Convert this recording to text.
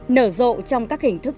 nở rộ trong các hình thức